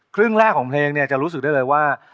ครึ่งแรกของเพลงเนี่ยจะรู้สึกได้เลยว่า